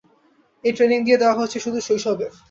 এই ট্রেনিং দিয়ে দেয়া হয়েছে সুদূর শৈশবে।